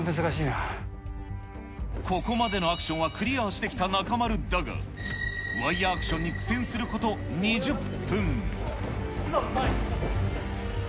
ここまでのアクションはクリアしてきた中丸だが、ワイヤーアクションに苦戦すること２０分。